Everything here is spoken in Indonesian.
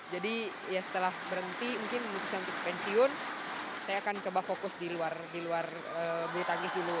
jadi ya setelah berhenti mungkin memutuskan untuk pensiun saya akan coba fokus di luar bulu tangkis dulu